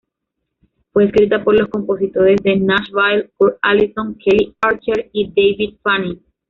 Fue escrita por los compositores de Nashville, Kurt Allison, Kelly Archer y David Fanning.